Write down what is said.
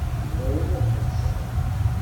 D lawan ad ḥebseɣ.